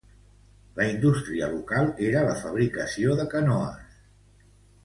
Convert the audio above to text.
La indústria local era la fabricació de canoes.